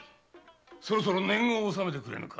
そろそろ年貢を納めてくれぬか。